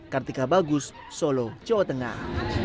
kartika bagus solo jawa tengah